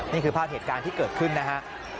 นี่คือภาพเหตุการณ์ที่เกิดขึ้นนะฮะ